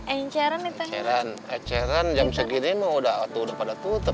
enceran enceran jam segini mau udah tuh udah pada tutup tutup